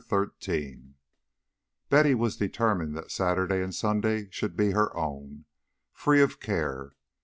XIII Betty was determined that Saturday and Sunday should be her own, free of care.